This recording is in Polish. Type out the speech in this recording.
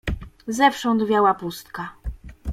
"Zewsząd wiała pustka."